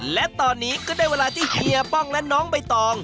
และตอนนี้ก็ได้เวลาที่เฮียป้องและน้องใบตอง